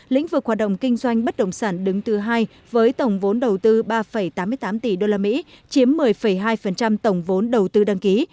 lĩnh vực hoạt động kinh doanh bất động sản đứng thứ hai với tổng vốn đầu tư ba tám mươi tám tỷ usd chiếm một mươi hai tổng vốn đầu tư đăng ký